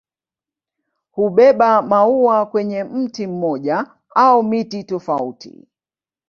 Hubeba maua kwenye mti mmoja au miti tofauti.